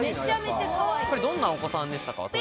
これどんなお子さんでしたか？